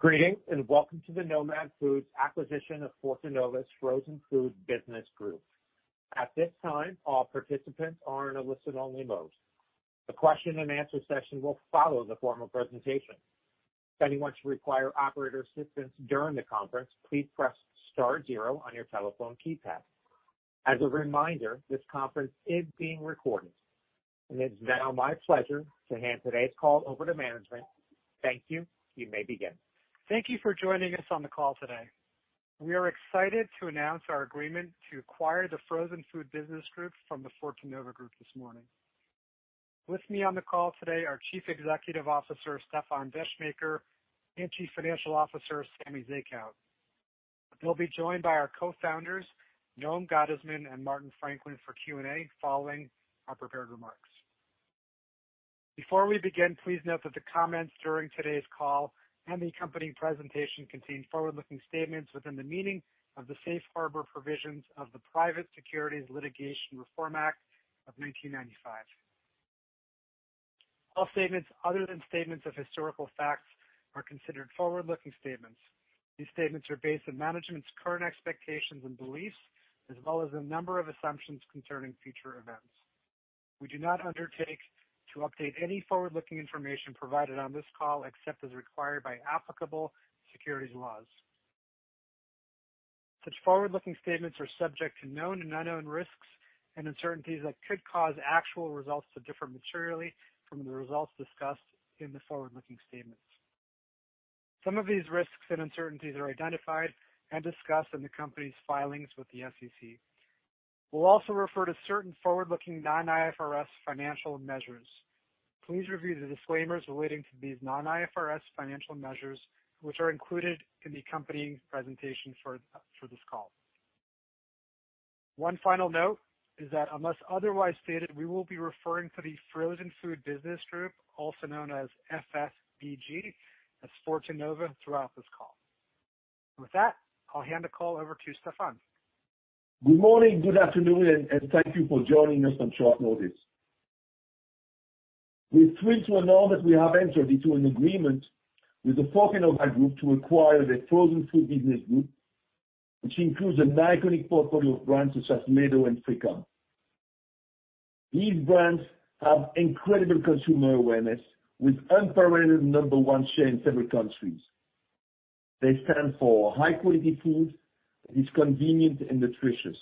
Greetings, welcome to the Nomad Foods acquisition of Fortenova's Frozen Food Business Group. At this time, all participants are in a listen only mode. The question and answer session will follow the formal presentation. If anyone should require operator assistance during the conference, please press star zero on your telephone keypad. As a reminder, this conference is being recorded. It's now my pleasure to hand today's call over to management. Thank you. You may begin. Thank you for joining us on the call today. We are excited to announce our agreement to acquire the Frozen Food Business Group from the Fortenova Group this morning. With me on the call today are Chief Executive Officer, Stéfan Descheemaeker, and Chief Financial Officer, Samy Zekhout. They'll be joined by our co-founders, Noam Gottesman and Martin Franklin, for Q&A following our prepared remarks. Before we begin, please note that the comments during today's call and the accompanying presentation contain forward-looking statements within the meaning of the Safe Harbor Provisions of the Private Securities Litigation Reform Act of 1995. All statements other than statements of historical facts are considered forward-looking statements. These statements are based on management's current expectations and beliefs, as well as a number of assumptions concerning future events. We do not undertake to update any forward-looking information provided on this call, except as required by applicable securities laws. Such forward-looking statements are subject to known and unknown risks and uncertainties that could cause actual results to differ materially from the results discussed in the forward-looking statements. Some of these risks and uncertainties are identified and discussed in the company's filings with the SEC. We will also refer to certain forward-looking non-IFRS financial measures. Please review the disclaimers relating to these non-IFRS financial measures, which are included in the accompanying presentation for this call. One final note is that unless otherwise stated, we will be referring to the Frozen Food Business Group, also known as FFBG, as Fortenova throughout this call. With that, I will hand the call over to Stéfan. Good morning, good afternoon, and thank you for joining us on short notice. We are thrilled to announce that we have entered into an agreement with the Fortenova Group to acquire their Frozen Food Business Group, which includes an iconic portfolio of brands such as Ledo and Frikom. These brands have incredible consumer awareness with unparalleled number one share in several countries. They stand for high quality food that is convenient and nutritious.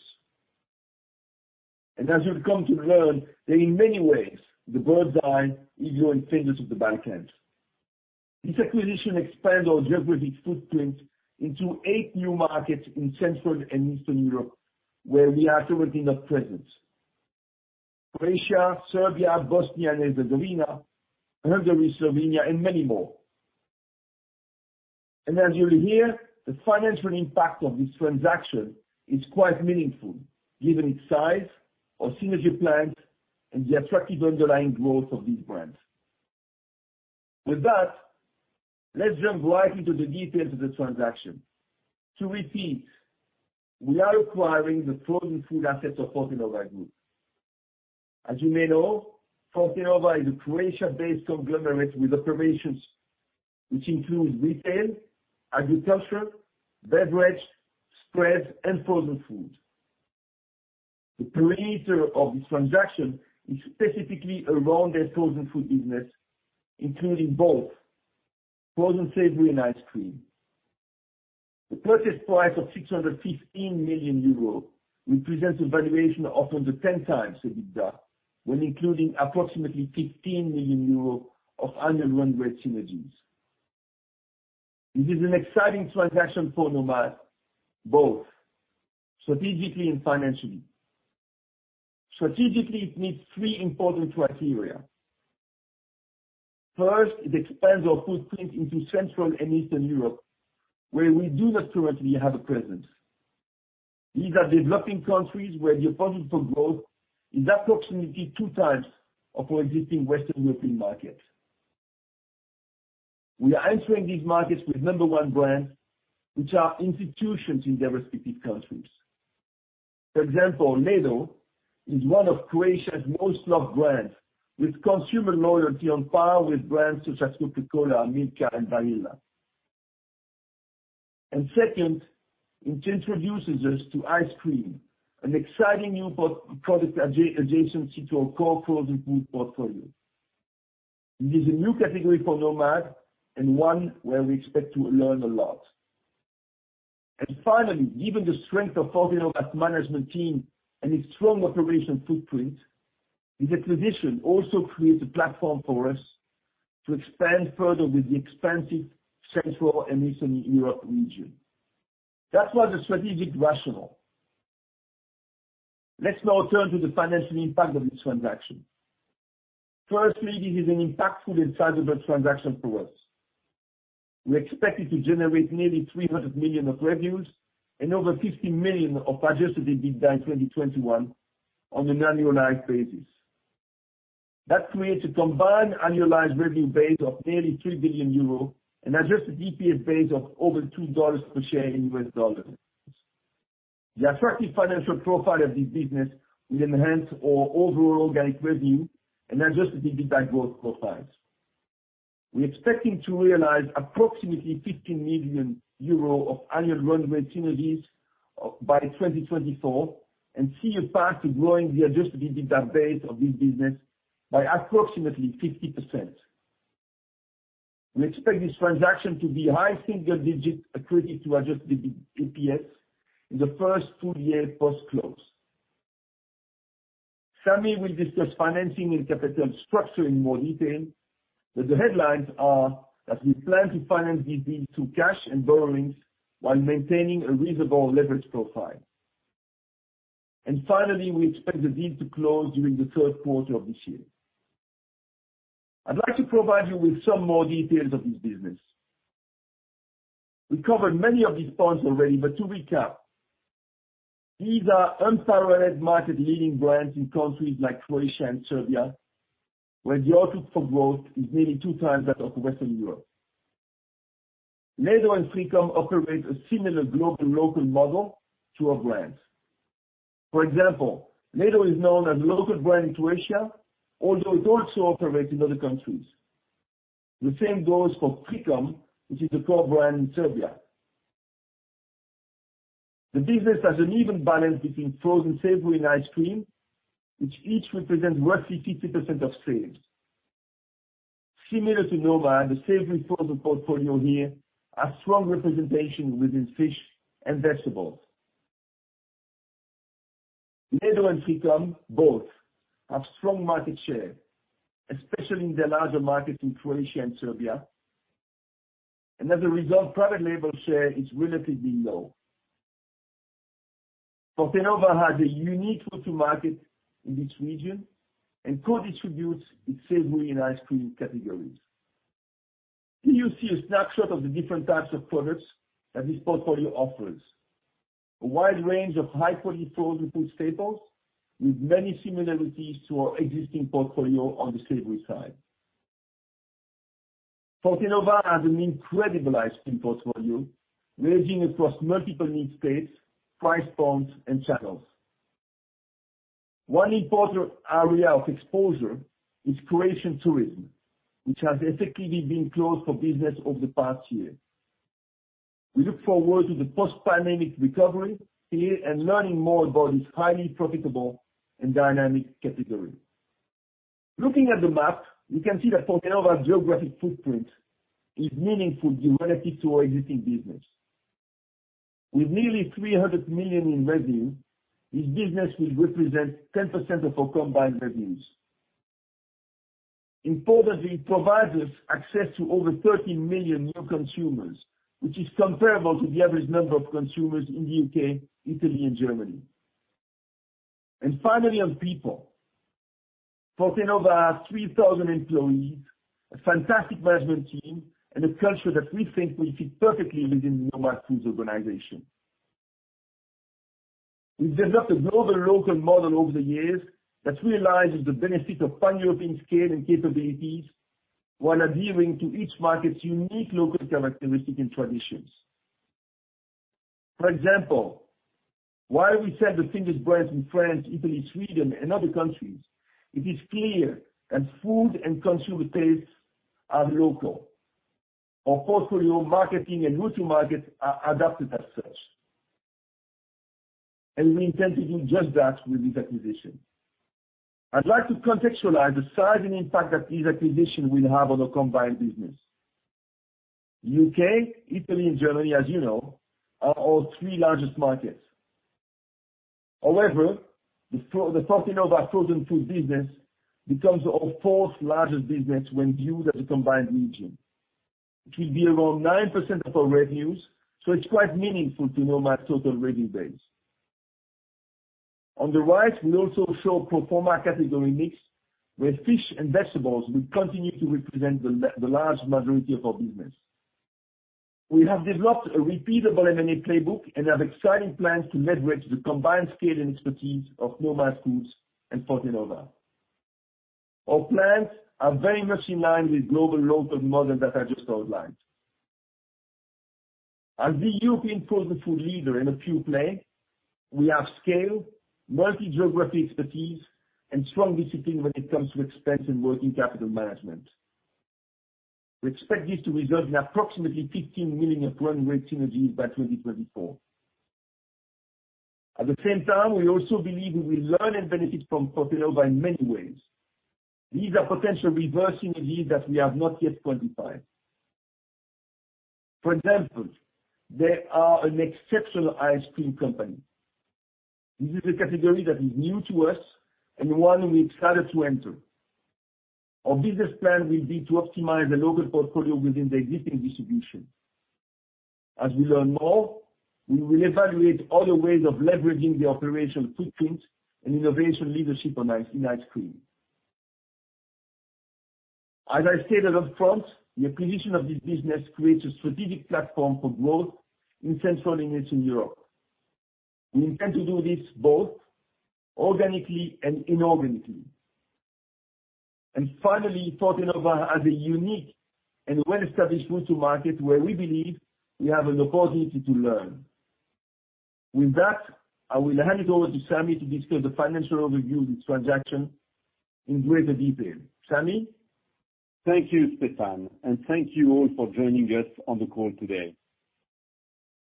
As you've come to learn, that in many ways, the Birds Eye is your fingers of the backend. This acquisition expands our geographic footprint into eight new markets in Central and Eastern Europe, where we are currently not present. Croatia, Serbia, Bosnia and Herzegovina, Hungary, Slovenia and many more. As you'll hear, the financial impact of this transaction is quite meaningful given its size our synergy plans and the attractive underlying growth of these brands. With that, let's jump right into the details of the transaction. To repeat, we are acquiring the frozen food assets of Fortenova Group. As you may know, Fortenova is a Croatia-based conglomerate with operations which include retail, agriculture, beverage, spreads, and frozen food. The perimeter of this transaction is specifically around their frozen food business, including both frozen savory and ice cream. The purchase price of 615 million euros represents a valuation of under 10 times the EBITDA when including approximately 15 million euros of underlying synergies. This is an exciting transaction for Nomad, both strategically and financially. Strategically, it meets three important criteria. First, it expands our footprint into Central and Eastern Europe, where we do not currently have a presence. These are developing countries where the potential growth is approximately two times of our existing Western European markets. We are entering these markets with number one brands, which are institutions in their respective countries. For example, Ledo is one of Croatia's most loved brands, with consumer loyalty on par with brands such as Coca-Cola, Milka, and Häagen-Dazs. Second, it introduces us to ice cream, an exciting new product adjacency to our core frozen food portfolio. It is a new category for Nomad, one where we expect to learn a lot. Finally, given the strength of Fortenova's management team and its strong operation footprint, this acquisition also creates a platform for us to expand further with the expansive Central and Eastern Europe region. That was the strategic rationale. Let's now turn to the financial impact of this transaction. Firstly, this is an impactful and sizable transaction for us. We expect it to generate nearly 300 million of revenues and over 50 million of adjusted EBITDA in 2021 on an annualized basis. That creates a combined annualized revenue base of nearly 3 billion euros and adjusted EPS base of over $2 per share in US dollars. The attractive financial profile of this business will enhance our overall organic revenue and adjusted EBITDA growth profiles. We're expecting to realize approximately 15 million euro of annual run-rate synergies by 2024 and see a path to growing the adjusted EBITDA base of this business by approximately 50%. We expect this transaction to be high single digit accretive to adjusted EPS in the first full year post-close. Samy will discuss financing and capital structure in more detail, but the headlines are that we plan to finance this deal through cash and borrowings while maintaining a reasonable leverage profile. Finally, we expect the deal to close during the third quarter of this year. I'd like to provide you with some more details of this business. We covered many of these points already, to recap, these are unparalleled market-leading brands in countries like Croatia and Serbia, where the outlook for growth is nearly two times that of Western Europe. Ledo and Frikom operate a similar global local model to our brands. For example, Ledo is known as local brand in Croatia, although it also operates in other countries. The same goes for Frikom, which is a core brand in Serbia. The business has an even balance between frozen, savory, and ice cream, which each represent roughly 50% of sales. Similar to Nomad, the savory frozen portfolio here has strong representation within fish and vegetables. Ledo and Frikom both have strong market share, especially in the larger markets in Croatia and Serbia. As a result, private label share is relatively low. Fortenova has a unique go-to-market in this region and co-distributes its savory and ice cream categories. Here you see a snapshot of the different types of products that this portfolio offers. A wide range of high-quality frozen food staples with many similarities to our existing portfolio on the savory side. Fortenova has an incredible ice cream portfolio ranging across multiple need states, price points, and channels. One important area of exposure is Croatian tourism, which has effectively been closed for business over the past year. We look forward to the post-pandemic recovery here and learning more about this highly profitable and dynamic category. Looking at the map, we can see that Fortenova's geographic footprint is meaningfully relative to our existing business. With nearly 300 million in revenue, this business will represent 10% of our combined revenues. It provides us access to over 30 million new consumers, which is comparable to the average number of consumers in the U.K., Italy, and Germany. Finally, on people. Fortenova has 3,000 employees, a fantastic management team, and a culture that we think will fit perfectly within Nomad Foods organization. We've developed a global local model over the years that realizes the benefit of pan-European scale and capabilities while adhering to each market's unique local characteristics and traditions. For example, while we sell the same brands in France, Italy, Sweden, and other countries, it is clear that food and consumer tastes are local. Our portfolio marketing and go-to-market are adapted as such. We intend to do just that with this acquisition. I'd like to contextualize the size and impact that this acquisition will have on our combined business. U.K., Italy, and Germany, as you know, are our three largest markets. However, the Fortenova frozen food business becomes our fourth largest business when viewed as a combined region. It will be around 9% of our revenues, so it's quite meaningful to Nomad's total revenue base. On the right, we also show pro forma category mix, where fish and vegetables will continue to represent the large majority of our business. We have developed a repeatable M&A playbook and have exciting plans to leverage the combined scale and expertise of Nomad Foods and Fortenova. Our plans are very much in line with global local model that I just outlined. As the European frozen food leadera pure play, we have scale, multi-geography expertise, and strong discipline when it comes to expense and working capital management. We expect this to result in approximately 15 million of run-rate synergies by 2024. At the same time, we also believe we will learn and benefit from Fortenova in many ways. These are potential reverse synergies that we have not yet quantified. For example, they are an exceptional ice cream company. This is a category that is new to us and one we're excited to enter. Our business plan will be to optimize the local portfolio within the existing distribution. As we learn more, we will evaluate other ways of leveraging the operational footprint and innovation leadership in ice cream. As I stated up front, the acquisition of this business creates a strategic platform for growth in Central and Eastern Europe. We intend to do this both organically and inorganically. Finally, Fortenova has a unique and well-established route to market where we believe we have an opportunity to learn. With that, I will hand it over to Samy to discuss the financial overview of this transaction in greater detail. Samy? Thank you, Stéfan, and thank you all for joining us on the call today.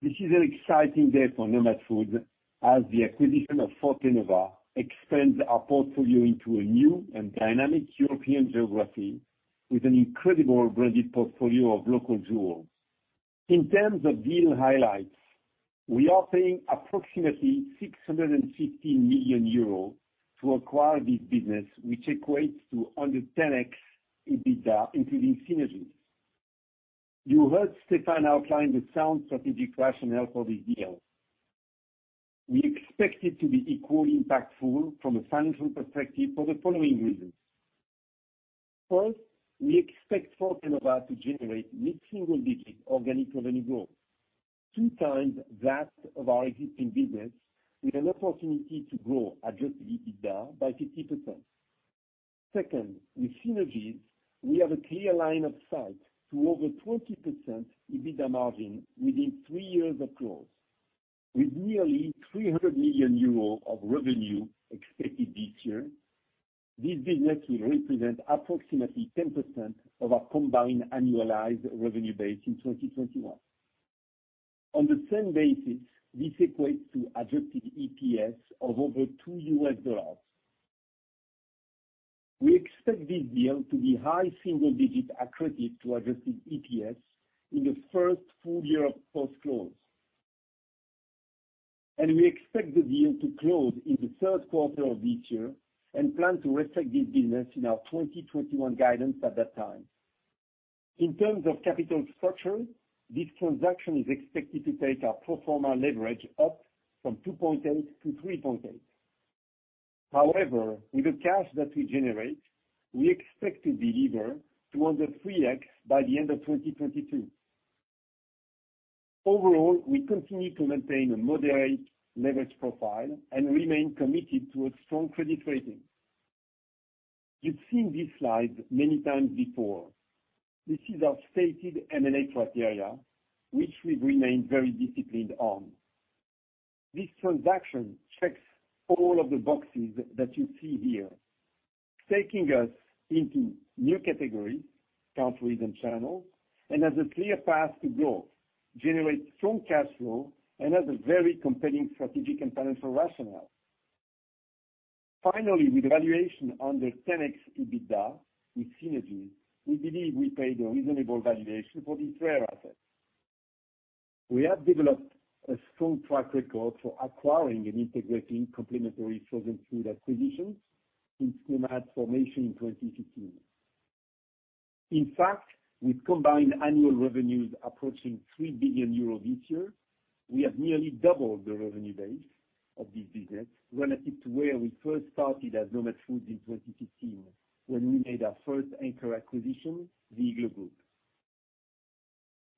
This is an exciting day for Nomad Foods as the acquisition of Fortenova expands our portfolio into a new and dynamic European geography with an incredible branded portfolio of local jewels. In terms of deal highlights, we are paying approximately 650 million euros to acquire this business, which equates to under 10x EBITDA including synergies. You heard Stéfan outline the sound strategic rationale for this deal. We expect it to be equally impactful from a financial perspective for the following reasons. First, we expect Fortenova to generate mid-single digit organic revenue growth, 2x that of our existing business, with an opportunity to grow adjusted EBITDA by 50%. Second, with synergies, we have a clear line of sight to over 20% EBITDA margin within three years of close. With nearly 300 million euros of revenue expected this year, this business will represent approximately 10% of our combined annualized revenue base in 2021. On the same basis, this equates to adjusted EPS of over $2. We expect this deal to be high single-digit accretive to adjusted EPS in the first full year of post-close. We expect the deal to close in the third quarter of this year and plan to reflect this business in our 2021 guidance at that time. In terms of capital structure, this transaction is expected to take our pro forma leverage up from 2.8-3.8. With the cash that we generate, we expect to de-lever to under 3x by the end of 2022. We continue to maintain a moderate leverage profile and remain committed to a strong credit rating. You've seen this slide many times before. This is our stated M&A criteria, which we've remained very disciplined on. This transaction checks all of the boxes that you see here, taking us into new categories, countries, and channels, and has a clear path to growth, generates strong cash flow, and has a very compelling strategic and financial rationale. With valuation under 10x EBITDA, with synergies, we believe we paid a reasonable valuation for these rare assets. We have developed a strong track record for acquiring and integrating complementary frozen food acquisitions since Nomad's formation in 2015. In fact, with combined annual revenues approaching 3 billion euros this year, we have nearly doubled the revenue base of this business relative to where we first started at Nomad Foods in 2015 when we made our first anchor acquisition, the Iglo Group.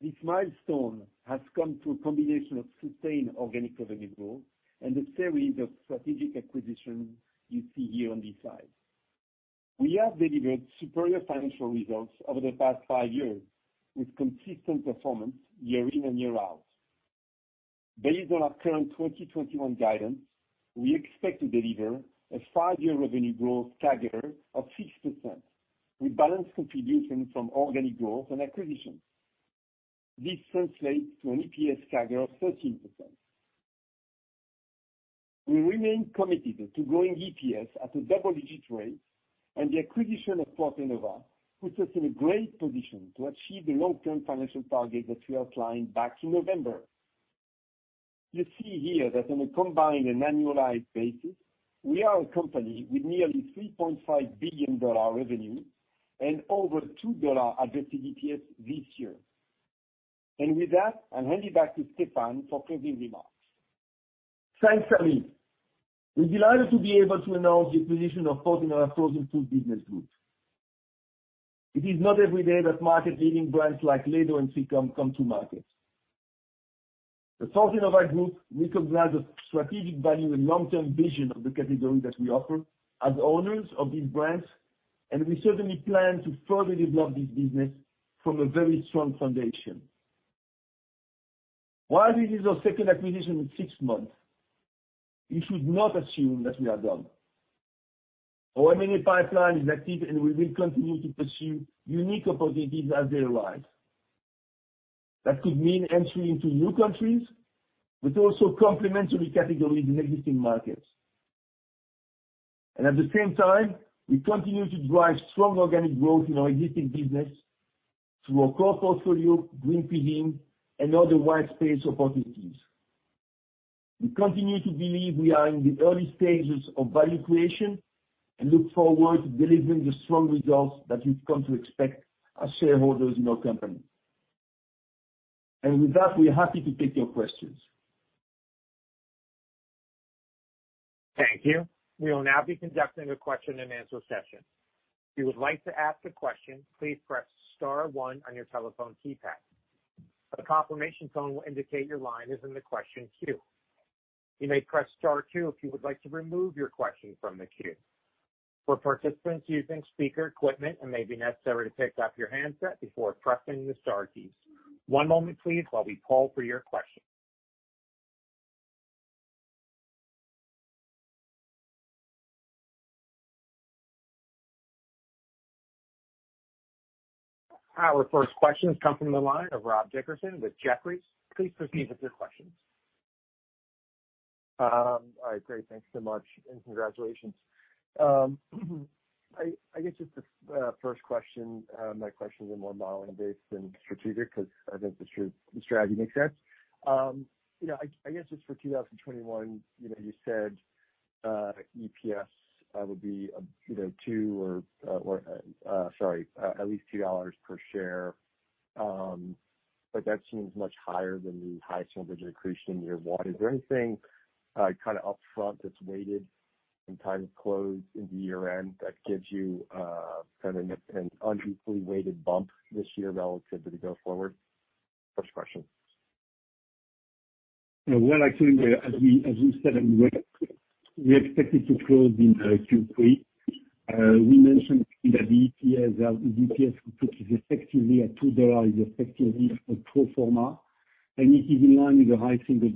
This milestone has come through a combination of sustained organic revenue growth and a series of strategic acquisitions you see here on this slide. We have delivered superior financial results over the past five years, with consistent performance year in and year out. Based on our current 2021 guidance, we expect to deliver a five-year revenue growth CAGR of 6%, with balanced contribution from organic growth and acquisitions. This translates to an EPS CAGR of 13%. We remain committed to growing EPS at a double-digit rate, the acquisition of Fortenova puts us in a great position to achieve the long-term financial target that we outlined back in November. You see here that on a combined and annualized basis, we are a company with nearly EUR 3.5 billion revenue and over EUR 2 adjusted EPS this year. With that, I'll hand it back to Stéfan for closing remarks. Thanks, Samy. We're delighted to be able to announce the acquisition of Fortenova Frozen Food Business Group. It is not every day that market-leading brands like Ledo and Frikom come to market. The Fortenova Group recognizes the strategic value and long-term vision of the category that we offer as owners of these brands, and we certainly plan to further develop this business from a very strong foundation. While this is our second acquisition in six months, you should not assume that we are done. Our M&A pipeline is active, and we will continue to pursue unique opportunities as they arise. That could mean entry into new countries, but also complementary categories in existing markets. At the same time, we continue to drive strong organic growth in our existing business through our core portfolio, greenfield, and other white space opportunities. We continue to believe we are in the early stages of value creation and look forward to delivering the strong results that you've come to expect as shareholders in our company. With that, we're happy to take your questions. Thank you. We will now be conducting a question and answer session. If you would like to ask a question, please press star one on your telephone keypad. A confirmation tone will indicate your line is in the question queue. You may press star two if you would like to remove your question from the queue. For participants using speaker equipment, it may be necessary to pick up your handset before pressing the star keys. One moment please, while we call for your question. Our first question is coming from the line of Rob Dickerson with Jefferies. Please proceed with your questions. All right, great. Thanks so much. Congratulations. I guess just the first question, my questions are more modeling based than strategic, because I think the strategy makes sense. I guess just for 2021, you said EPS will be at least $2 per share. That seems much higher than the high single-digit accretion in year one. Is there anything kind of upfront that's weighted in time to close in the year-end that gives you kind of an unequally weighted bump this year relative to go forward? First question. Well, actually, as we said, we expect it to close in Q3. We mentioned that the EPS is effectively a $2, effectively a pro forma, and it is in line with the high single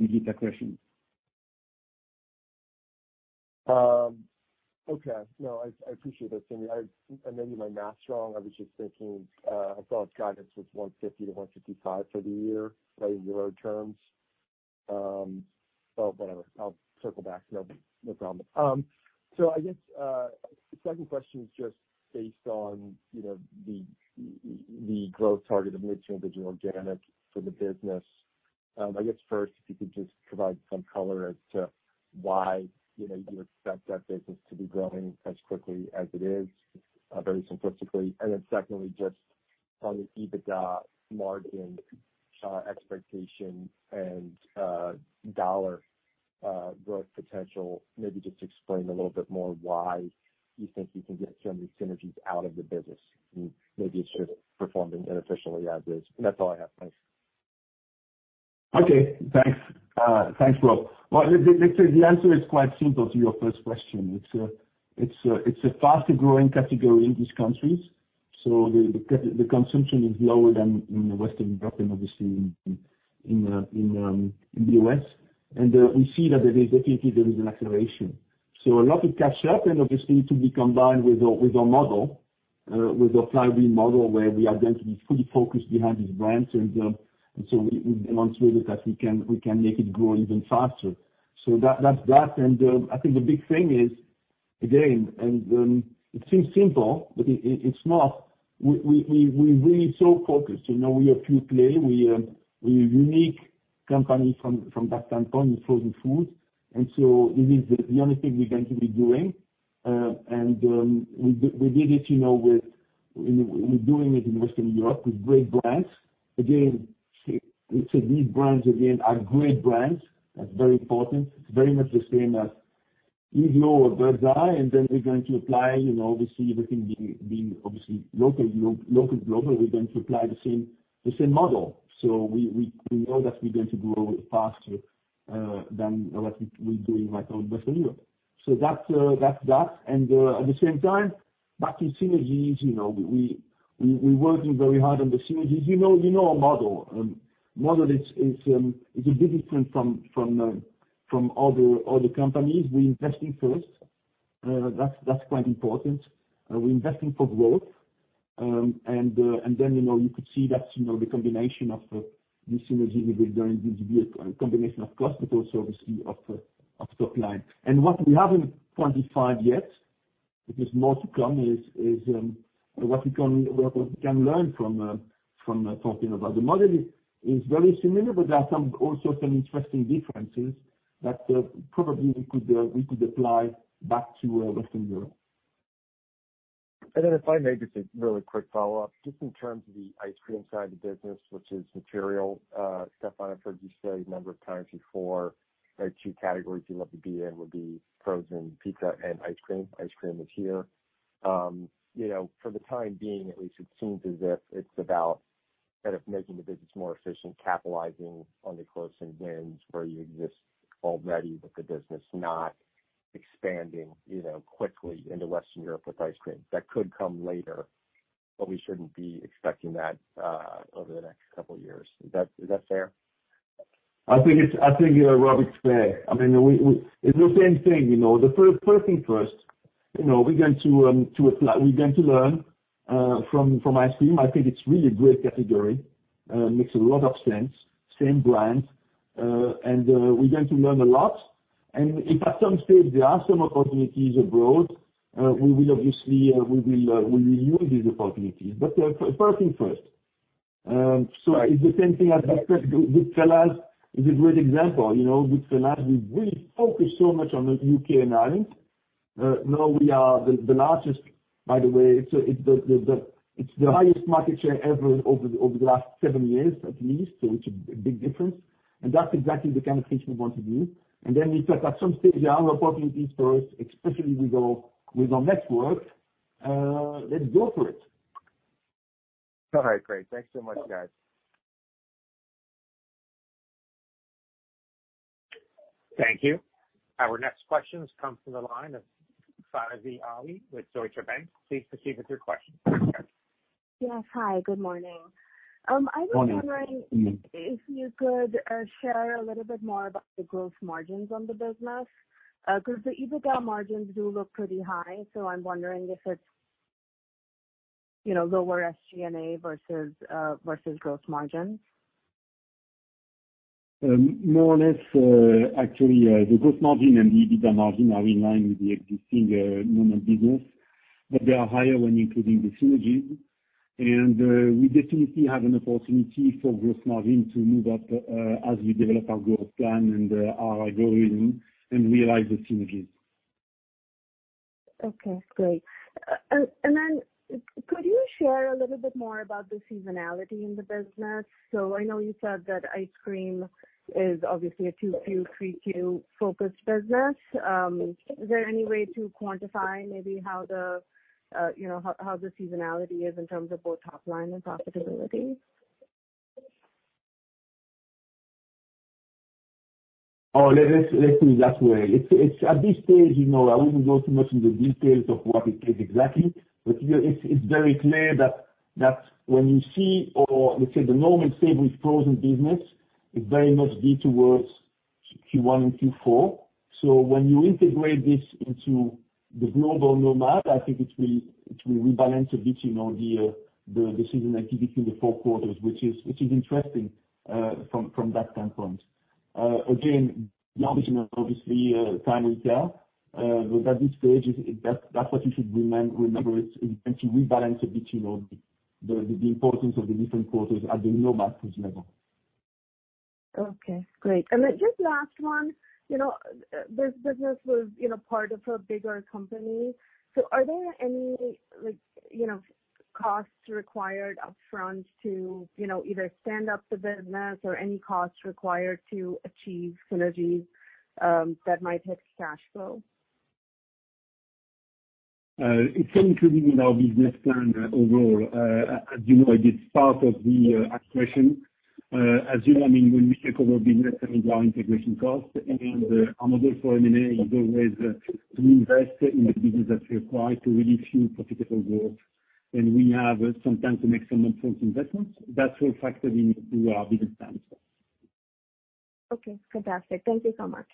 digit accretion. Okay. No, I appreciate that, Stéfan. Maybe my math's wrong. I was just thinking, I saw its guidance was 150-155 for the year, playing euro terms. Whatever, I'll circle back. No problem. I guess, second question is just based on the growth target of mid-single digit organic for the business. I guess first, if you could just provide some color as to why you expect that business to be growing as quickly as it is, very simplistically. Secondly, just on the EBITDA margin expectation and dollar growth potential, maybe just explain a little more why you think you can get some synergies out of the business, and maybe it should have performed more efficiently as is. That's all I have. Thanks. Okay. Thanks. Thanks, Rob. The answer is quite simple to your first question. It's a faster-growing category in these countries. The consumption is lower than in Western Europe, obviously, in the U.S. We see that there is definitely an acceleration. A lot to catch up and obviously to be combined with our model, with our flywheel model, where we are going to be fully focused behind these brands. We went through it that we can make it grow even faster. That's that. I think the big thing is, again, and it seems simple, but it's not. We're really so focused. We are few players. We are a unique company from that standpoint in frozen food. It is the only thing we're going to be doing. We're doing it in Western Europe with great brands. These brands again are great brands. That's very important. It's very much the same as Iglo or Birds Eye, then we're going to apply, obviously, everything being locally or globally, we're going to apply the same model. We know that we're going to grow faster than what we do in Western Europe. That's that. At the same time, back to synergies, we're working very hard on the synergies. You know our model. Model is a bit different from other companies. We're investing first. That's quite important. We're investing for growth. Then, you could see that the combination of the synergy we will gain this year, combination of cost, but also obviously of top line. What we haven't quantified yet, which is more to come, is what we can learn from talking about the model is very similar, but there are also some interesting differences that probably we could apply back to Western Europe. If I may, just a really quick follow-up, just in terms of the ice cream side of the business, which is material. Stéfan, I've heard you say a number of times before, there are two categories you'd love to be in would be frozen pizza and ice cream. Ice cream is here. For the time being, at least, it seems as if it's about kind of making the business more efficient, capitalizing on the close-in wins where you exist already with the business, not expanding quickly into Western Europe with ice cream. That could come later, but we shouldn't be expecting that over the next couple of years. Is that fair? I think, Rob, it's fair. It's the same thing. The first thing first, we're going to learn from ice cream. I think it's really a great category, makes a lot of sense, same brand. We're going to learn a lot. If at some stage there are some opportunities abroad, we will use these opportunities. First things first. It's the same thing as I said, Goodfella's is a great example. Goodfella's, we really focus so much on the U.K. and Ireland. Now we are the largest, by the way, it's the highest market share ever over the last seven years at least. It's a big difference. That's exactly the kind of thing we want to do. Then if at some stage there are opportunities for us, especially with our network, let's go for it. All right, great. Thanks so much, guys. Thank you. Our next questions come from the line of Faiza Alwy with Deutsche Bank. Please proceed with your question. Yes. Hi, good morning. Morning. I was wondering if you could share a little bit more about the gross margins on the business? Because the EBITDA margins do look pretty high, so I'm wondering if it's lower SG&A versus gross margins? More or less, actually, the gross margin and the EBITDA margin are in line with the existing normal business, but they are higher when including the synergies. We definitely have an opportunity for gross margin to move up, as we develop our growth plan and our algorithm and realize the synergies. Okay, great. Could you share a little bit more about the seasonality in the business? I know you said that ice cream is obviously a Q2, Q3 focused business. Is there any way to quantify maybe how the seasonality is in terms of both top line and profitability? Oh, let me put it this way. At this stage, I wouldn't go too much into the details of what it is exactly, but it's very clear that when you see, or let's say the normal Savory's Frozen business, it's very much geared towards Q1 and Q4. When you integrate this into the global Nomad Foods, I think it will rebalance a bit the seasonality between the four quarters, which is interesting from that standpoint. Again, obviously, time will tell, but at this stage, that's what you should remember. It's going to rebalance a bit, the importance of the different quarters at the Nomad Foods level. Okay, great. Just last one. This business was part of a bigger company. Are there any costs required upfront to either stand up the business or any costs required to achieve synergies that might hit cash flow? It's included in our business plan overall. As you know, it is part of the acquisition. As you know, when we take over business, there is our integration cost, and our model for M&A is always to invest in the business as required to really fuel profitable growth. We have some time to make some upfront investments. That's all factored into our business plan. Okay, fantastic. Thank you so much.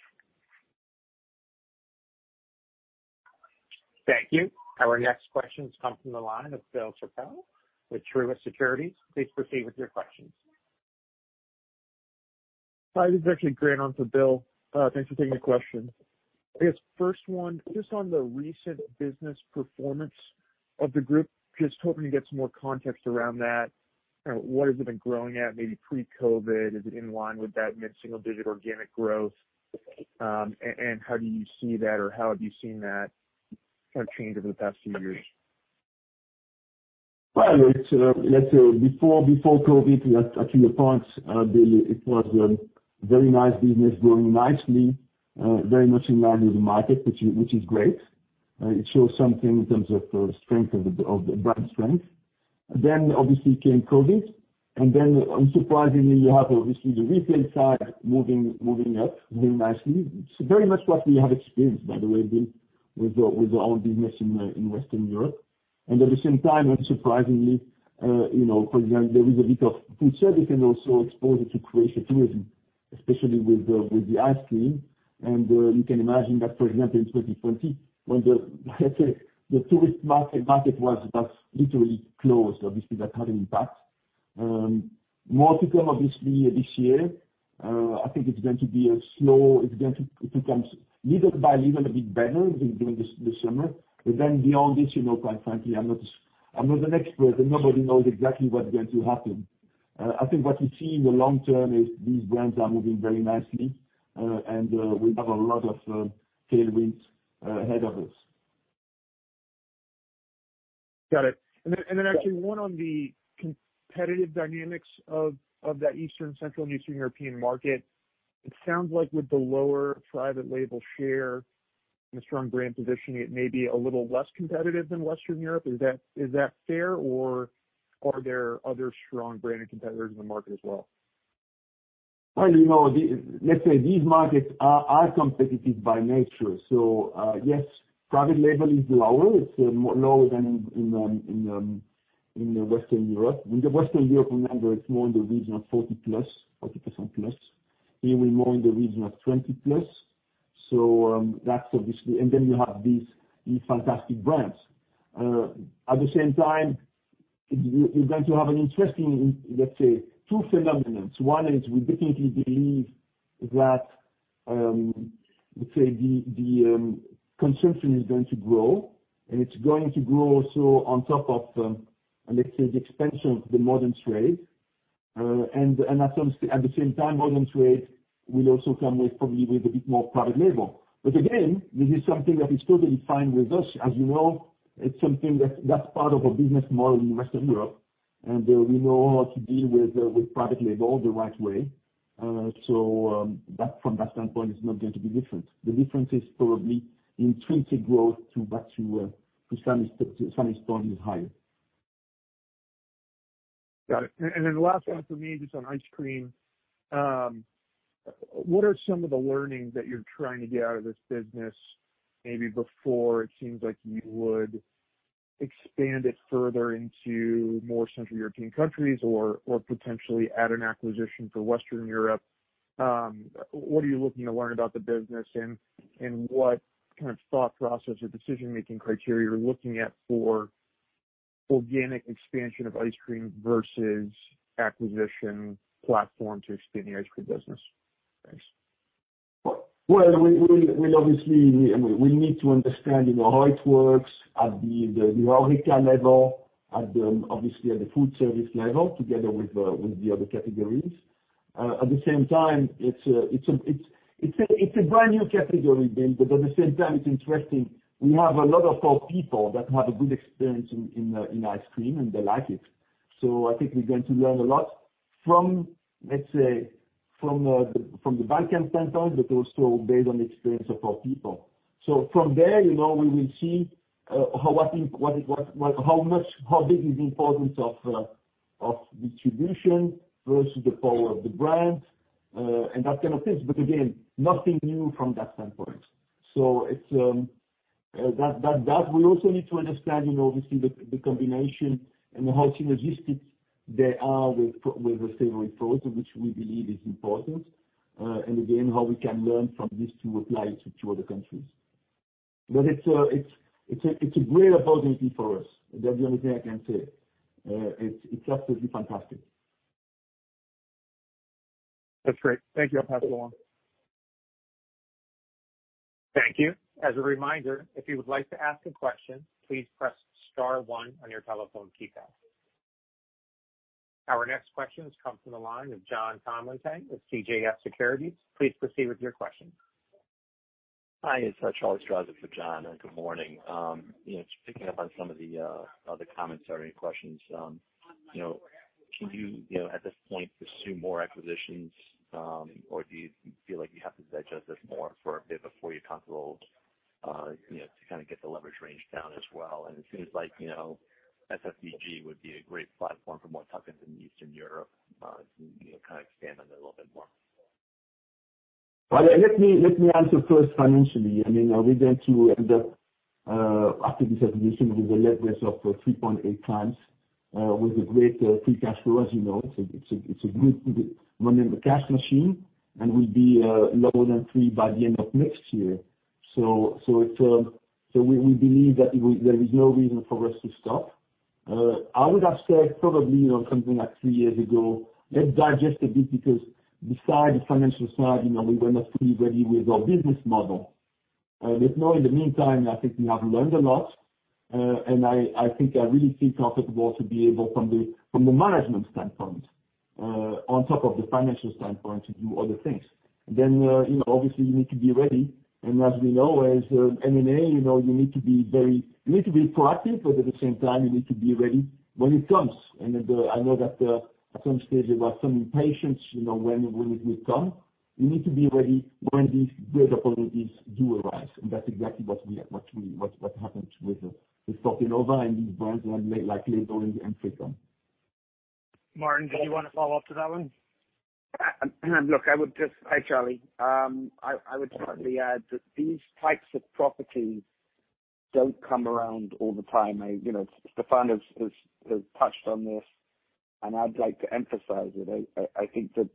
Thank you. Our next questions come from the line of Bill Chappell with Truist Securities. Please proceed with your questions. Hi, this is actually Grant on for Bill. Thanks for taking the question. I guess first one, just on the recent business performance of the group, just hoping to get some more context around that. What has it been growing at? Maybe pre-COVID, is it in line with that mid-single digit organic growth? How do you see that, or how have you seen that kind of change over the past few years? Well, let's say before COVID, actually your point, Bill, it was a very nice business growing nicely, very much in line with the market, which is great. It shows something in terms of brand strength. Then obviously came COVID, and then unsurprisingly, you have obviously the retail side moving up very nicely. It's very much what we have experienced, by the way, Bill, with our own business in Western Europe. At the same time, unsurprisingly, for example, there is a bit of food service and also exposure to Croatian tourism, especially with the ice cream. You can imagine that, for example, in 2020, when the, let's say, the tourist market was literally closed, obviously that had an impact. More people obviously this year, I think it's going to be It becomes little by little a bit better during the summer. Beyond this, quite frankly, I'm not an expert and nobody knows exactly what's going to happen. I think what we see in the long term is these brands are moving very nicely, and we have a lot of tailwinds ahead of us. Got it. Actually one on the competitive dynamics of that Eastern, Central, and Eastern European market. It sounds like with the lower private label share and the strong brand positioning, it may be a little less competitive than Western Europe. Is that fair or are there other strong branded competitors in the market as well? Well, let's say these markets are competitive by nature. Yes, private label is lower. It's lower than in Western Europe. In the Western European market, it's more in the region of 40+, 40%+. Here we're more in the region of 20+. You have these fantastic brands. At the same time, you're going to have an interesting, let's say, two phenomenons. One is we definitely believe that, let's say the consumption is going to grow, and it's going to grow also on top of, let's say, the expansion of the modern trade. At the same time, modern trade will also come with probably with a bit more private label. Again, this is something that is totally fine with us. As you know, it's something that's part of our business model in Western Europe, and we know how to deal with private label the right way. From that standpoint, it's not going to be different. The difference is probably in intrinsic growth to what Sun is doing is higher. Got it. The last one for me, just on ice cream. What are some of the learnings that you're trying to get out of this business? Maybe before it seems like you would expand it further into more Central European countries or potentially add an acquisition for Western Europe. What are you looking to learn about the business, and what kind of thought process or decision-making criteria are you looking at for organic expansion of ice cream versus acquisition platform to expand the ice cream business? Thanks. Obviously, we need to understand how it works at the horeca level, obviously at the food service level, together with the other categories. At the same time, it's a brand new category build, but at the same time, it's interesting. We have a lot of our people that have a good experience in ice cream, and they like it. I think we're going to learn a lot from, let's say, from the buy-side standpoint, but also based on the experience of our people. From there, we will see how big is the importance of distribution versus the power of the brand, and that kind of thing. Again, nothing new from that standpoint. We also need to understand, obviously, the combination and how synergistic they are with the savory products, which we believe is important. Again, how we can learn from this to apply it to other countries. It's a great opportunity for us. That's the only thing I can say. It's absolutely fantastic. That's great. Thank you. I'll pass it along. Thank you. As a reminder if you would like to ask a question please press star one on your telephone keypad. Our next question comes from the line of John Baumgartner with CJS Securities. Please proceed with your question. Hi, it's Charlie Strauzer for John. Good morning. Just picking up on some of the other comments or any questions. Can you, at this point, pursue more acquisitions? Do you feel like you have to digest this more for a bit before you tackle, to kind of get the leverage range down as well? It seems like FFBG would be a great platform for more tuck-ins in Eastern Europe, to kind of expand on that a little bit more. Well, let me answer first financially. We're going to end up, after this acquisition, with a leverage of 3.8x, with a great free cash flow. As you know, it's a good running cash machine, and we'll be lower than three by the end of next year. We believe that there is no reason for us to stop. I would have said probably something like three years ago, let's digest a bit because besides the financial side, we were not fully ready with our business model. Now, in the meantime, I think we have learned a lot, and I think I really feel comfortable to be able, from the management standpoint, on top of the financial standpoint, to do other things. Obviously, you need to be ready. As we know, as M&A, you need to be proactive, but at the same time, you need to be ready when it comes. I know that at some stage, there was some impatience when it will come. You need to be ready when these great opportunities do arise, and that's exactly what happened with the Fortenova and these brands like Ledo and Frikom. Martin, did you want to follow up to that one? Hi, Charlie. I would certainly add that these types of properties don't come around all the time. Stéphane has touched on this, and I'd like to emphasize it. I think that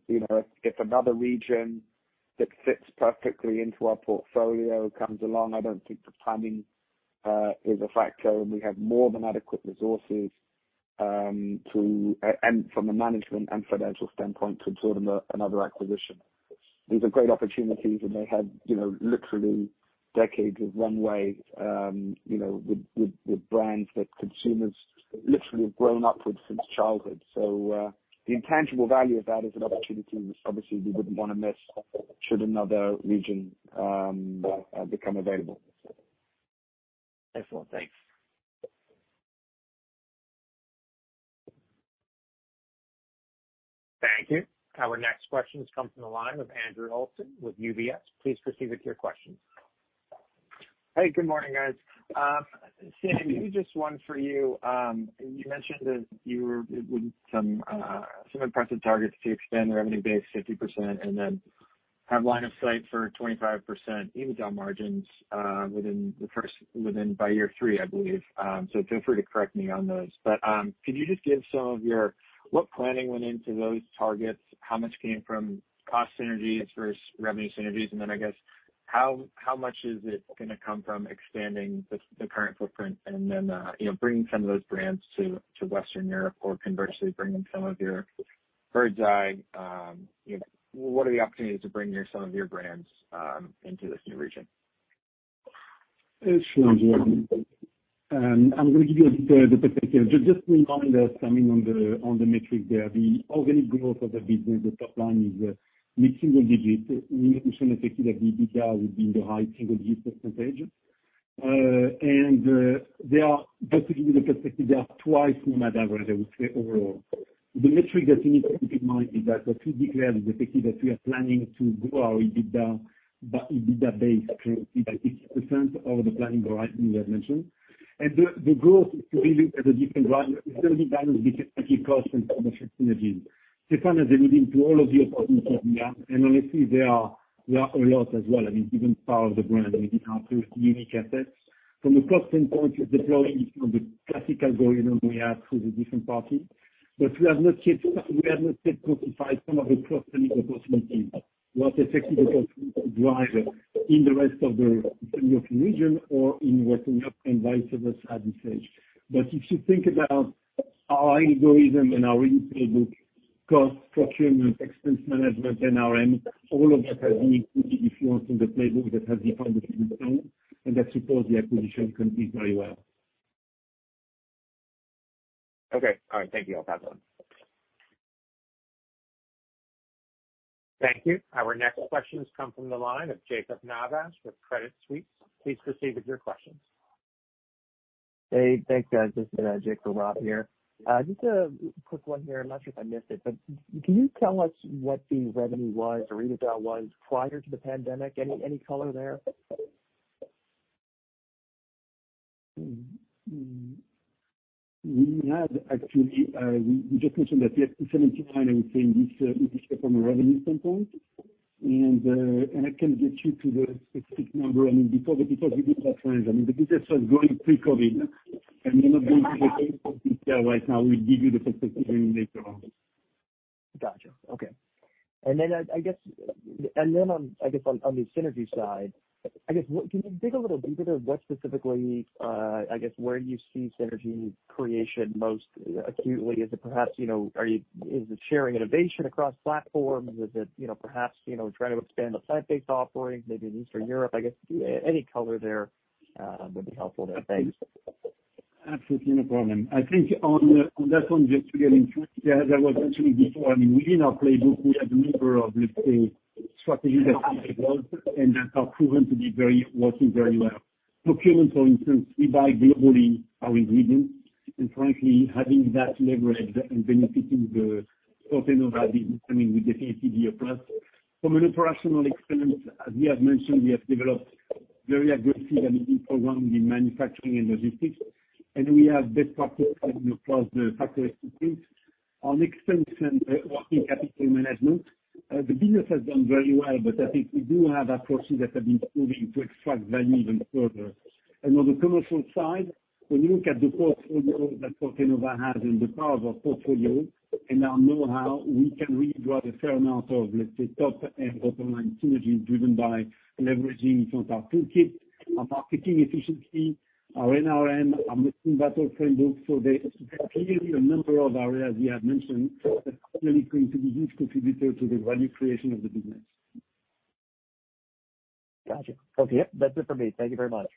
if another region that fits perfectly into our portfolio comes along, I don't think the timing is a factor, and we have more than adequate resources from a management and financial standpoint to absorb another acquisition. These are great opportunities, and they have literally decades of runway with brands that consumers literally have grown up with since childhood. The intangible value of that is an opportunity which obviously we wouldn't want to miss should another region become available. Excellent. Thanks. Thank you. Our next question comes from the line of Andrew Lazar with UBS. Please proceed with your question. Hey, good morning, guys. Samy, maybe just one for you. You mentioned that you were with some impressive targets to extend the revenue base 50% and then have line of sight for 25% EBITDA margins within by year three, I believe. Feel free to correct me on those. Could you just give What planning went into those targets? How much came from cost synergies versus revenue synergies? I guess, how much is it going to come from expanding the current footprint and then bringing some of those brands to Western Europe or conversely bringing some of your, what are the opportunities to bring some of your Birds Eye brands into this new region? Sure, Andrew. I'm going to give you a bit of the perspective. Just to remind us, I mean, on the metrics there, the organic growth of the business, the top line is mid-single digits. We assume the effect of the EBITDA would be in the high single-digit percentage. They are basically with the perspective, they are twice Nomad average, I would say overall. The metric that you need to keep in mind is that the two declared is effectively that we are planning to grow our EBITDA base by 60% over the planning horizon we have mentioned. The growth is really at a different value, it's only valued between cost and commercial synergies. Stéfan has alluded to all of the opportunities we have, and honestly, there are a lot as well. I mean, even part of the brand within our unique assets. From a cost standpoint, we're deploying from the classic algorithm we have through the different parties. We have not yet codified some of the cross-selling opportunities, what effective driver in the rest of the European region or in Western Europe, and vice versa, at this stage. If you think about our algorithm and our replay book, cost, procurement, expense management, NRM, all of that has been influenced in the playbook that has the foundation stone, and that supports the acquisition complete very well. Okay. All right, thank you. I'll pass on. Thank you. Our next questions come from the line of Jacob Nivasch with Credit Suisse. Please proceed with your questions. Hey, thanks, guys. This is Jacob Nivasch here. Just a quick one here. I'm not sure if I missed it, but can you tell us what the revenue was or EBITDA was prior to the pandemic? Any color there? We just mentioned that we have 279, I would say, in this year from a revenue standpoint. I can get you to the specific number. I mean, because we do have trends. I mean, the business was growing pre-COVID, and we're not going to the right now. We'll give you the perspective later on. Gotcha. Okay. I guess, on the synergy side, can you dig a little deeper to what specifically, I guess, where you see synergy creation most acutely? Is it sharing innovation across platforms? Is it perhaps trying to expand the site-based offerings, maybe in Eastern Europe? I guess, any color there would be helpful there. Thanks. Absolutely. No problem. I think on that one, just to get into it, as I was mentioning before, within our playbook, we have a number of, let's say, strategies that we have built, and that are proven to be working very well. Procurement, for instance, we buy globally our ingredients, and frankly, having that leverage and benefiting the Fortenova, I mean, with the FFBG plus. From an operational expense, as we have mentioned, we have developed very aggressive LEAN program in manufacturing and logistics, and we have best practice across the factory footprint. On expense and working capital management, the business has done very well, I think we do have approaches that have been proven to extract value even further. On the commercial side, when you look at the portfolio that Fortenova has and the power of our portfolio and our know-how, we can really drive a fair amount of, let's say, top and bottom-line synergies driven by leveraging from our toolkit, our marketing efficiency, our NRM, our mission battle framework. There are clearly a number of areas we have mentioned that are clearly going to be huge contributors to the value creation of the business. Got you. Okay. That's it for me. Thank you very much.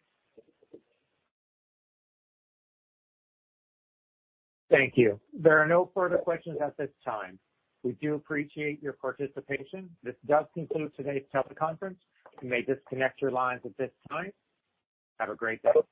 Thank you. There are no further questions at this time. We do appreciate your participation. This does conclude today's teleconference. You may disconnect your lines at this time. Have a great day.